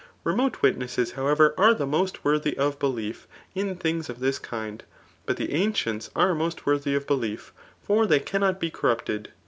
Remote witnesses however, are most worthy of belief in things of this kind I but the ancients are most worthy of belief; &xr they cannot be corrupted.